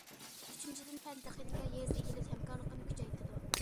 ئۈچىنچىدىن، پەن- تېخنىكا، يېزا ئىگىلىك ھەمكارلىقىنى كۈچەيتىدۇ.